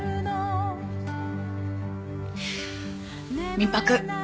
民泊